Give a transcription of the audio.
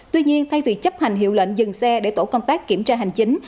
tuy nhiên thay vì chấp hành hiệu lệnh dừng xe để tổ công tác kiểm tra hành chính